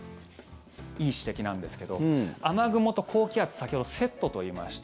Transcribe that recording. いい指摘なんですけど雨雲と高気圧先ほどセットと言いました。